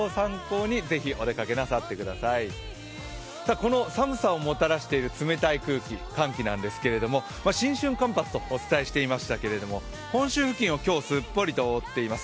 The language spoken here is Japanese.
この寒さをもたらしている冷たい空気、寒波なんですけど新春寒波とお伝えしていましたけれども、本州付近を今日すっぽりと覆っています。